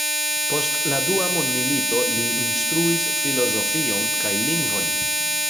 Post la dua mondmilito li instruis filozofion kaj lingvojn.